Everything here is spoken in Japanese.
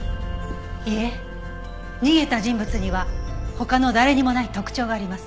いえ逃げた人物には他の誰にもない特徴があります。